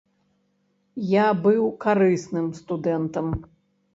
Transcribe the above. Я быў карысным студэнтам.